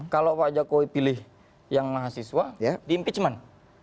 kalau pak jokowi pilih yang mahasiswa di impeachment